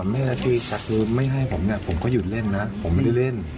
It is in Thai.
แม่ผมไม่ได้ทำด้วยพี่